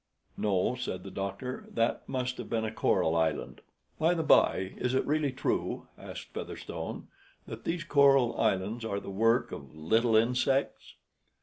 "No," said the doctor; "that must have been a coral island." "By the bye, is it really true," asked Featherstone, "that these coral islands are the work of little insects?"